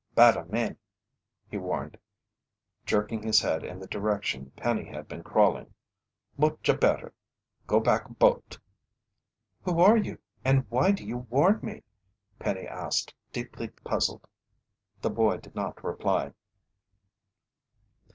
"Bada men," he warned, jerking his head in the direction Penny had been crawling. "Mucha better go back boat." "Who are you and why do you warn me?" Penny asked, deeply puzzled. The boy did not reply.